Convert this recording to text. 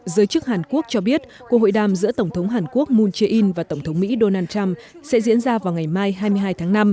giới chức hàn quốc cho biết cuộc hội đàm giữa tổng thống hàn quốc moon jae in và tổng thống mỹ donald trump sẽ diễn ra vào ngày mai hai mươi hai tháng năm